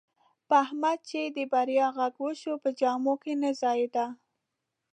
په احمد چې د بریا غږ وشو، په جامو کې نه ځایېدا.